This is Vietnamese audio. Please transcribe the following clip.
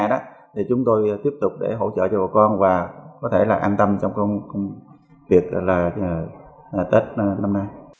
thì chúng tôi tiếp tục hỗ trợ cho bà con và có thể an tâm trong việc tết năm nay